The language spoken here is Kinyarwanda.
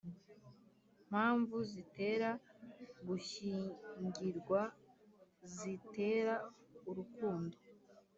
mpamvu zitera gushyingirwa zitera urukundo